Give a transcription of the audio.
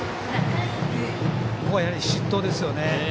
ここはやはり失投ですよね。